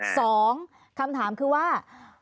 สองคำถามคือว่า